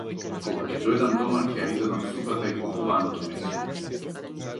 Кога ќе дојдам дома, ќе ја изедам супата и похувано- то месо.